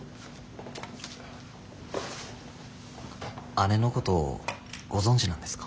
姉のことご存じなんですか？